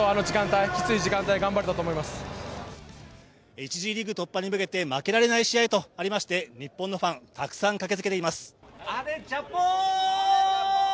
１次リーグ突破に向けて負けられない試合となりまして日本のファンたくさん駆けつけています